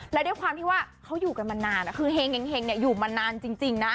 และด้วยความที่ว่าเขาอยู่กันมานานคือเห็งอยู่มานานจริงนะ